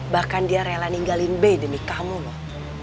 bahkan dia rela ninggalin b demi kamu loh